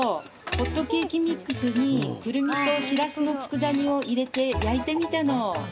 ホットケーキミックスにくるみとしらすのつくだ煮を入れて、焼いてみたの。